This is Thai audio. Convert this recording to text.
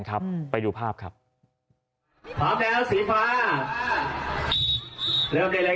เริ่มได้เลยครับเชียร์ได้เลย